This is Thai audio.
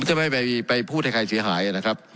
จะไม่ไปพูดให้ใครเสียหายนะครับ